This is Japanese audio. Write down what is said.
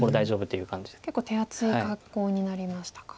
結構手厚い格好になりましたか。